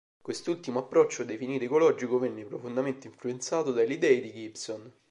Quest'ultimo approccio, definito ecologico, venne profondamente influenzato dalle idee di Gibson.